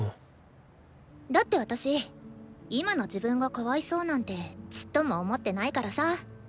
だって私今の自分がかわいそうなんてちっとも思ってないからさ。